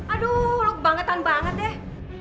aduh lo kebangetan banget deh